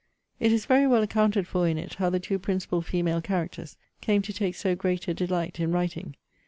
It is very well accounted for in it, how the two principal female characters came to take so great a delight in writing.